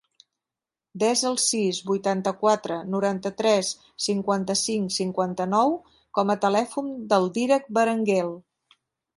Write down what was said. Desa el sis, vuitanta-quatre, noranta-tres, cinquanta-cinc, cinquanta-nou com a telèfon del Dídac Berenguel.